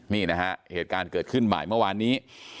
นี่นะฮะเหตุการณ์เกิดขึ้นบ่ายเมื่อวานนี้